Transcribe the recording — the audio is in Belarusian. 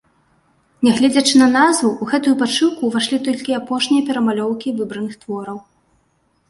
Нягледзячы на назву, у гэтую падшыўку ўвайшлі толькі апошнія перамалёўкі выбраных твораў.